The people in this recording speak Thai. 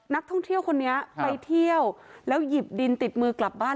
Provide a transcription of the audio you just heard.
นักท่องเที่ยวคนนี้ไปเที่ยวแล้วหยิบดินติดมือกลับบ้าน